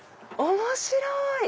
面白い！